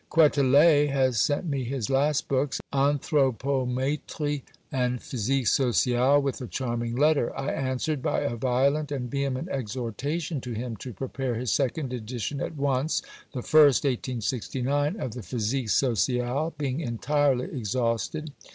Quetelet has sent me his last books Anthropométrie and Physique Sociale with a charming letter. I answered by a violent and vehement exhortation to him to prepare his second edition at once the first (1869) of the Physique Sociale being entirely exhausted.